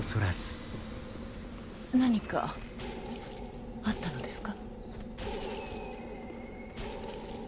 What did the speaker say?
何かあったのですか？